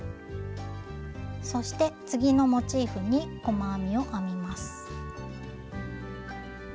そして次のモチーフに細編みを編みます。